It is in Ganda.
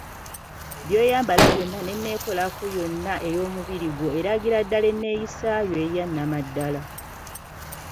By’oyambala byonna n‘enneekolako yonna ey‘omubiri gwo eragira ddala enneeyisaayo eya nnamaddala.